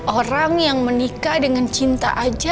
orang yang menikah dengan cinta aja